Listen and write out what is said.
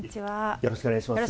よろしくお願いします。